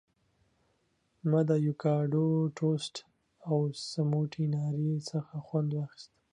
ما د ایوکاډو ټوسټ او سموټي ناري څخه خوند واخیست.